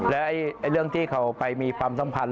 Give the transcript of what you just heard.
และเรื่องที่เขาไปมีความสัมพันธ